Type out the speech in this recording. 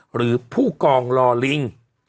หรือผู้กองลอลิง